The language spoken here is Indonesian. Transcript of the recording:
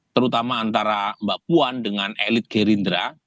terutama antara mbak puan dengan elit gerindra